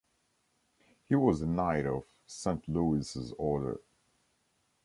He was a knight of Saint-Louis’s order.